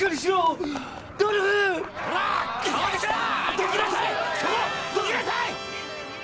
どきなさい！